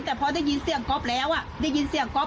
แต่พอได้ยินเสียงก๊อฟแล้วได้ยินเสียงก๊อฟ